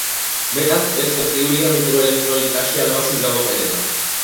მეტად პერსპექტიულია მიკროელექტრონიკაში ალმასის გამოყენება.